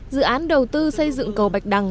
dự án đầu tư xây dựng cầu bạch đằng